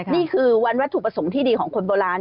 นี่คือวันวัตถุประสงค์ที่ดีของคนโบราณ